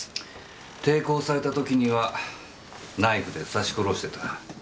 抵抗されたときにはナイフで刺し殺してた。